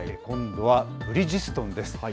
今度はブリヂストンです。